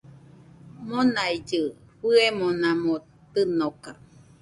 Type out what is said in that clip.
Monaigɨ fɨemonamo tɨnoka